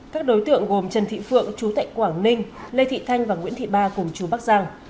các đối tượng gồm trần thị phượng chú tệnh quảng ninh lê thị thanh và nguyễn thị ba cùng chú bắc giang